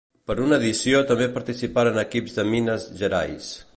Per una edició també participaren equips de Minas Gerais.